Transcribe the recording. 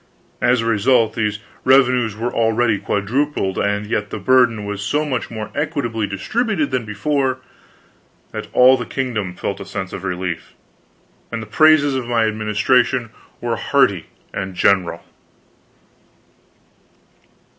As a result, these revenues were already quadrupled, and yet the burden was so much more equably distributed than before, that all the kingdom felt a sense of relief, and the praises of my administration were hearty and general.